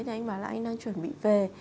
thì anh bảo là anh đang chuẩn bị về